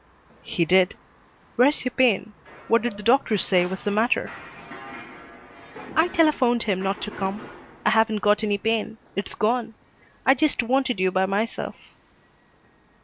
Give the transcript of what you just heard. "He did. Where's your pain? What did the doctor say was the matter?" "I telephoned him not to come. I haven't got any pain. It's gone. I just wanted you by myself."